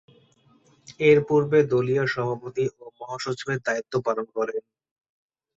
এরপূর্বে দলীয় সভাপতি ও মহাসচিবের দায়িত্ব পালন করেন।